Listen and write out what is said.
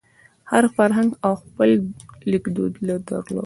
هر فرهنګ خپل لیکدود درلود.